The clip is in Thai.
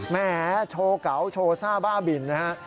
แหมโชว์เก๋าโชว์ซ่าบ้าบินนะฮะ